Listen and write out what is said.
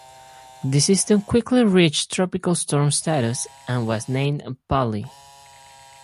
The system quickly reached tropical storm status and was named "Pali".